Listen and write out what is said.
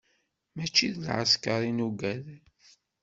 Mačči d lɛesker i nugad.